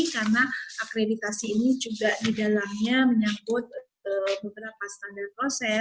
karena akreditasi ini juga di dalamnya menyangkut beberapa standar proses